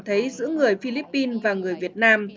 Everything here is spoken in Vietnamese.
thấy giữa người philippines và rồi việt nam